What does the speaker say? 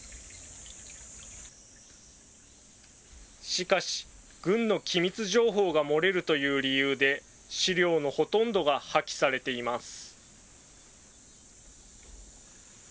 しかし、軍の機密情報が漏れるという理由で、資料のほとんどが破棄されています。